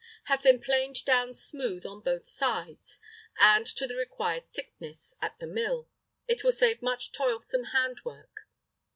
Have them planed down smooth on both sides, and to the required thickness, at the mill it will save much toilsome hand work.